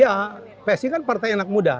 ya psi kan partai anak muda